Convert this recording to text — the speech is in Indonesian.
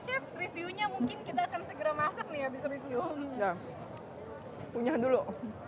cek reviewnya mungkin kita akan segera masak nih habis review punya dulu